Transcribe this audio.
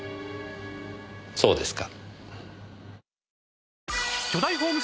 そうですか。